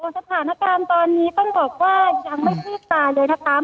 สถานการณ์ตอนนี้ต้องบอกว่ายังไม่คืบตาเลยนะคะ